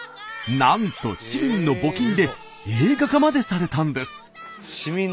なんと市民の募金で映画化までされたんです。